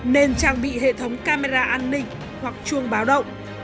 nên trang bị hệ thống camera an ninh hoặc chuông báo động